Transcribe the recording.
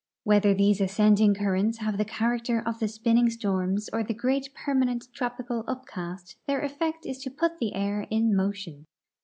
Whether these ascending currents have the character of the spinning storms or the great permanent tropical upcast, their effect is to put the air in motion.